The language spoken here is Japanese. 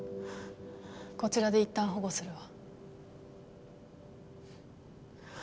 こちらでいったん保護するわ。